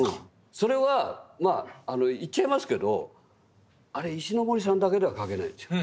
それはまあ言っちゃいますけどあれ石森さんだけでは描けないんですよ。